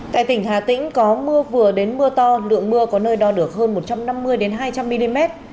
tại tỉnh hà tĩnh có mưa vừa đến mưa to lượng mưa có nơi đo được hơn một trăm năm mươi hai trăm linh mm